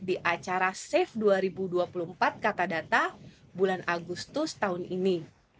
di acara safe dua ribu dua puluh empat kata data bulan agustus tahun ini